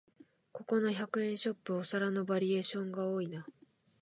この百円ショップ、お皿のバリエーションが多いな